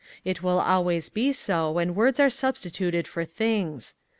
It will always be so when words are substituted for things.